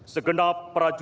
segenap perhatian saya